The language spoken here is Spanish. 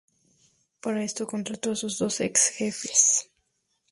Para esto, contrató a sus dos ex-jefes.